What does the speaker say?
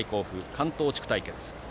関東地区対決。